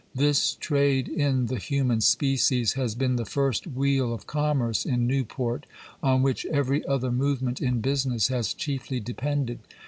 This trade in the human species has been the first wheel of commerce in Newport, on which every other movement in business has chiefly depended.